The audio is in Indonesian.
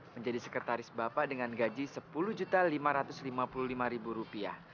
menjadi sekretaris bapak dengan gaji rp sepuluh lima ratus lima puluh lima